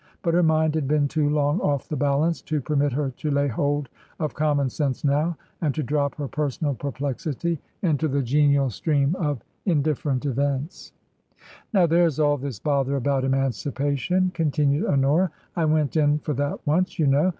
But her mind had been too long off the balance to per mit her to lay hold of commonsense now and to drop her personal perplexity into the genial stream of indif ferent events. u TRANSITION. 287 "Now, there's all this bother about emancipation/' continued Honora. " I went in for that once, you know.